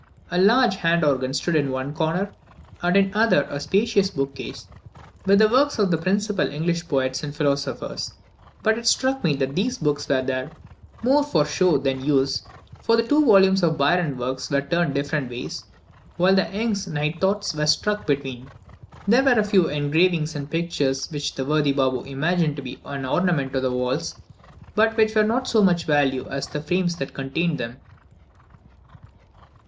A large hand organ stood in one corner, and in the other a spacious bookcase, with the works of the principal English poets and philosophers; but it struck me that these books were there more for show than use, for the two volumes of Byron's works were turned different ways, while Young's Night Thoughts were stuck between. There were a few engravings and pictures, which the worthy Baboo imagined to be an ornament to the walls, but which were not of so much value as the frames that contained them.